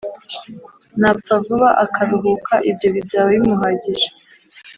napfa vuba akaruhuka, ibyo bizaba bimuhagije.